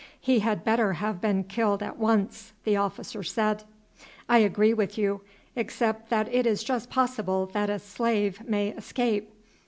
"He had better have been killed at once," the officer said. "I agree with you, except that it is just possible that a slave may escape.